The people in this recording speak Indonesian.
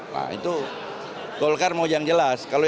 nah itu golkar mau yang jelas